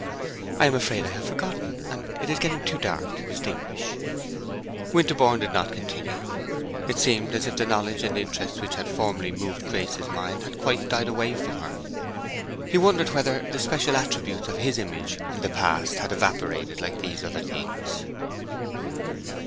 "I am afraid I have forgotten, and it is getting too dark to distinguish." Winterborne did not continue. It seemed as if the knowledge and interest which had formerly moved Grace's mind had quite died away from her. He wondered whether the special attributes of his image in the past had evaporated like these other things.